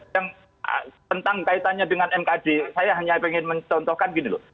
dan tentang kaitannya dengan mkd saya hanya ingin mencontohkan gini loh